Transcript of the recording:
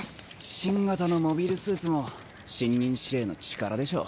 新型のモビルスーツも新任司令の力でしょう。